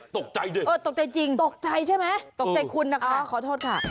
ตกใจด้วยตกใจจริงตกใจคุณนะคะอ่าขอโทษค่ะ